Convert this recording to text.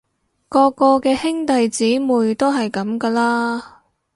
個個嘅兄弟姊妹都係噉㗎啦